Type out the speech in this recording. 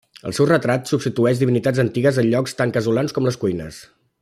El seu retrat substitueix divinitats antigues en llocs tan casolans com les cuines.